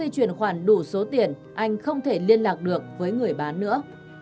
chuyển khoản xong thì tôi không thể liên lạc được với đối tượng nữa